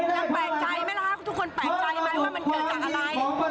แปลกใจไหมล่ะครับทุกคนแปลกใจไหมว่ามันเกิดจากอะไร